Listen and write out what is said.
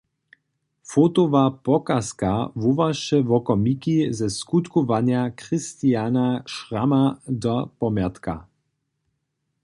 Fotowa pokazka wołaše wokomiki ze skutkowanja Christiana Schramma do pomjatka.